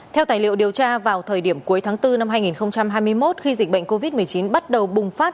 theo tài liệu điều tra vào thời điểm cuối tháng bốn năm hai nghìn hai mươi một khi dịch bệnh covid một mươi chín bắt đầu bùng phát